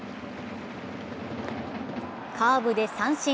カーブで三振。